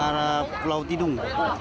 ke arah pulau tidung